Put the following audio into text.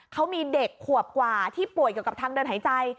เขามีเด็กขวบกว่าที่ป่วยเกี่ยวกับทางเดินหายใจ